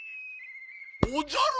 おじゃる！